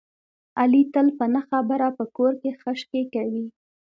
علي تل په نه خبره په کور کې خشکې کوي.